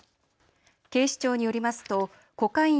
警視庁によりますとコカイン